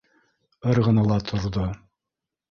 Ырғыны ла торҙо: